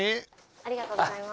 ありがとうございます。